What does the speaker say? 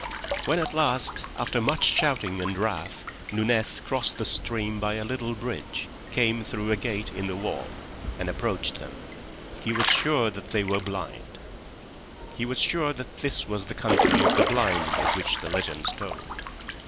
When at last, after much shouting and wrath, Nunez crossed the stream by a little bridge, came through a gate in the wall, and approached them, he was sure that they were blind. He was sure that this was the Country of the Blind of which the legends told.